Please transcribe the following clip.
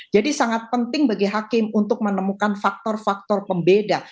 jadi sangat penting bagi hakim untuk menemukan faktor faktor pembeda